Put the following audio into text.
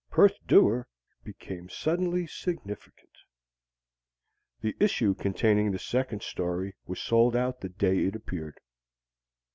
Perth Dewar became suddenly significant. The issue containing the second story was sold out the day it appeared.